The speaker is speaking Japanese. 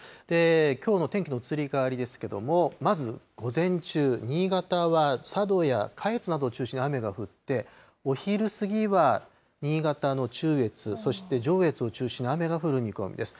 きょうの天気の移り変わりですけども、まず午前中、新潟は佐渡や下越などを中心に雨が降って、お昼過ぎは新潟の中越、そして上越を中心に雨が降る見込みです。